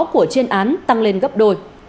của chuyên án tăng lên gấp đôi